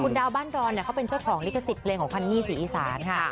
ดาวบ้านดอนเขาเป็นเจ้าของลิขสิทธิ์เพลงของฮันนี่ศรีอีสานค่ะ